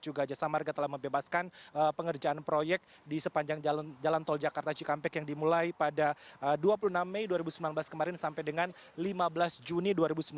juga jasa marga telah membebaskan pengerjaan proyek di sepanjang jalan tol jakarta cikampek yang dimulai pada dua puluh enam mei dua ribu sembilan belas kemarin sampai dengan lima belas juni dua ribu sembilan belas